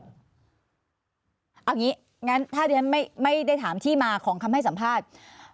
เอาอย่างนี้งั้นถ้าที่ฉันไม่ได้ถามที่มาของคำให้สัมภาษณ์